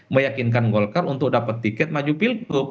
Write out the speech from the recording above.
meyakinkan golkar untuk dapat tiket maju pilgub